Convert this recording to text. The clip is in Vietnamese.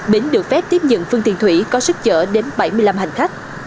bến được phép tiếp nhận phương tiền thủy có sức chở đến bảy mươi năm hành khách